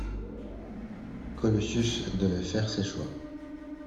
Colossus devait faire ses choix